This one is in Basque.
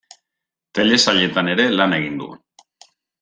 Telesailetan ere lan egin du.